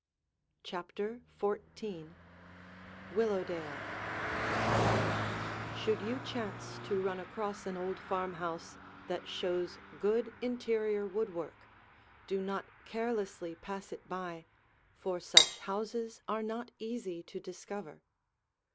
CHAPTER XIV WILLOWDALE Should you chance to run across an old farmhouse that shows good interior woodwork, do not carelessly pass it by, for such houses are not easy to discover.